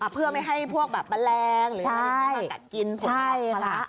เพื่อไม่ให้พวกแบบแมลงหรือให้มันกัดกินหรือห่อมะละ